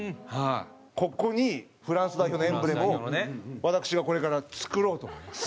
ここにフランス代表のエンブレムを私がこれから作ろうと思います。